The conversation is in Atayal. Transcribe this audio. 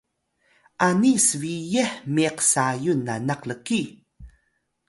ani sbiyih miq Sayun nanak lkiy